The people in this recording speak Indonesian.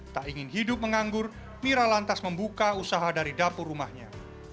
tak ingin hidup menganggur mira lantas membuka usaha dari dapur rumahnya